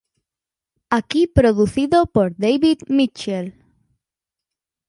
Aquí producido por David Mitchell.